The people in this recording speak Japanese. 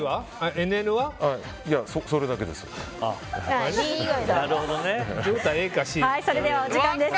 いや、それだけです。